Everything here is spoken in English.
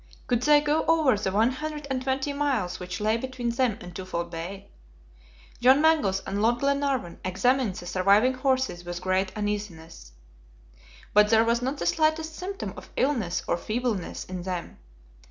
Could they go over the one hundred and twenty miles which lay between them and Twofold Bay? John Mangles and Lord Glenarvan examined the surviving horses with great uneasiness, but there was not the slightest symptom of illness or feebleness in them.